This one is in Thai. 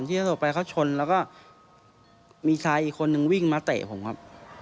มีชายอีกคนหนึ่งวิ่งมาเตะผมครับ